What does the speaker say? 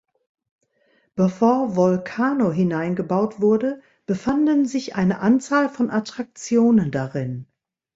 Bevor Volcano hineingebaut wurde, befanden sich eine Anzahl von Attraktionen darin.